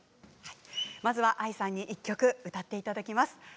まずはＡＩさんに１曲歌っていただきます。